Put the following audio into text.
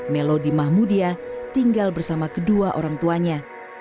melodi mahmudia tinggal bersama kedua orang tuanya